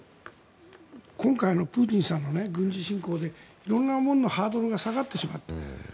今回のプーチンさんの軍事侵攻で色んなもののハードルが下がってしまった。